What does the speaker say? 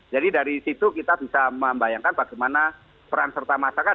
jadi dari situ kita bisa membayangkan bagaimana peran serta masyarakat